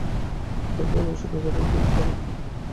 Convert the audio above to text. তাতে আর ভবিষ্যতে কারও কোন উদ্বেগের কারণ থাকবে না।